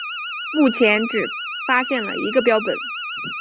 目前只有发现一个标本。